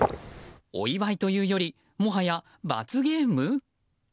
お祝いというよりもはや罰ゲーム？